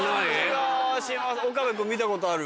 岡部君見たことある？